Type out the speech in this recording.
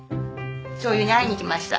しょうゆに会いに来ました。